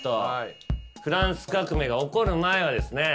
フランス革命が起こる前はですね